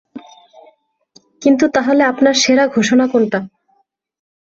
কিন্ত তাহলে আপনার সেরা ঘোষণা কোনটা?